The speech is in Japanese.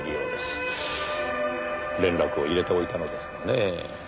連絡を入れておいたのですがねぇ。